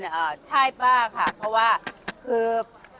อยากให้คุณป้าชี้ใจนิดนึงว่าในภาพนั้นใช่คุณป้าหรือเปล่าหรือยังไงคะ